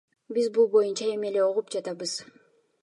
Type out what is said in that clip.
Биз бул боюнча эми эле угуп жатабыз.